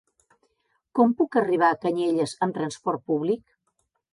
Com puc arribar a Canyelles amb trasport públic?